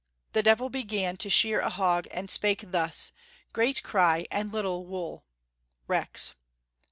" The devil began to shear a hog, and spake thus, * Great cry and little wool.' Rex."